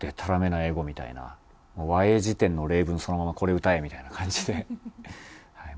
もう和英辞典の例文そのままこれ歌えみたいな感じで。